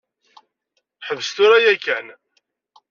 Ḥbes tura yakan.